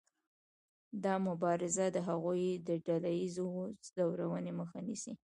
دا مبارزه د هغوی د ډله ایزې ځورونې مخه نیسي.